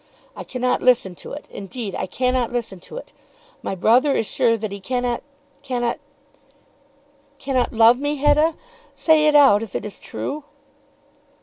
"I cannot listen to it. Indeed I cannot listen to it. My brother is sure that he cannot cannot " "Cannot love me, Hetta! Say it out, if it is true."